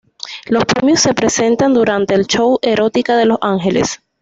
Los premios se presentan durante el show Erotica de Los Ángeles.